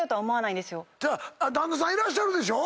旦那さんいらっしゃるでしょ。